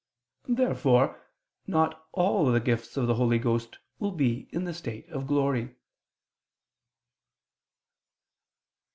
Therefore not all the gifts of the Holy Ghost will be in the state of glory.